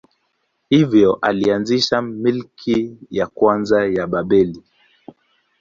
Hivyo alianzisha milki ya kwanza ya Babeli.